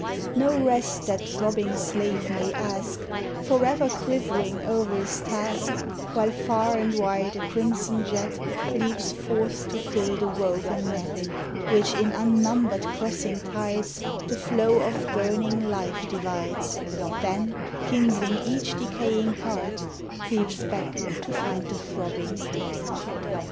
No rest that throbbing slave may ask, Forever quivering o'er his task, While far and wide a crimson jet Leaps forth to fill the woven net Which in unnumbered crossing tides The flood of burning life divides, Then, kindling each decaying part, Creeps back to find the throbbing heart.